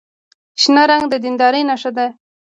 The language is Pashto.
شنه رنګ د دیندارۍ نښه ده.